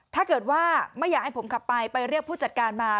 ถ้าเกิดว่าไม่อยากให้ผมขับไปไปเรียกผู้จัดการมา